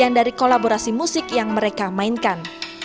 bagian dari kolaborasi musik yang mereka mainkan